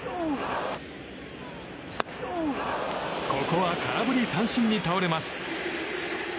ここは空振り三振に倒れます。